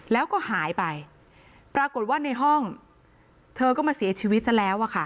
แล้วก็หายไปปรากฏว่าในห้องเธอก็มาเสียชีวิตซะแล้วอะค่ะ